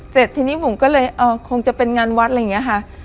แต่ทีนี้บุ๋มก็เลยอ๋อคงจะเป็นงานวัดอะไรอย่างเงี้ยค่ะ